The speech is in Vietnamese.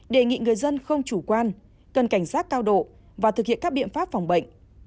đề nghị người dân không chủ quan cần cảnh giác cao độ và thực hiện các biện pháp phòng bệnh